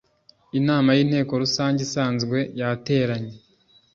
inama y Inteko Rusange isanzwe yateranye